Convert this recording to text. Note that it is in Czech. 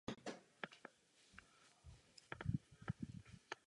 Na půdy nemá zvláštní nároky.